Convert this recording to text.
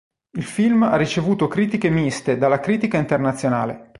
Il film ha ricevuto critiche miste dalla critica internazionale.